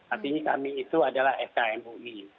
artinya kami itu adalah fkmui